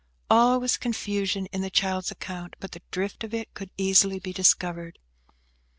All was confusion in the child's account, but the drift of it could easily be discovered.